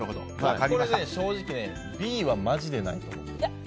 これね、正直Ｂはマジでないと思う。